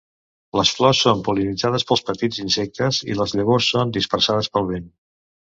Les flors són pol·linitzades per petits insectes i les llavors són dispersades pel vent.